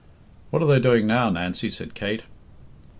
"What are they doing now, Nancy?" said Kate.